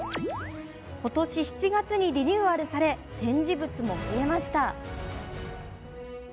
今年７月にリニューアルされ展示物も増えました。